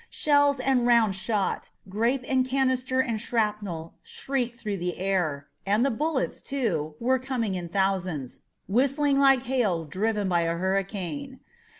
Shells and round shot, grape and canister and shrapnel shrieked through the air, and the bullets, too, were coming in thousands, whistling like hail driven by a hurricane.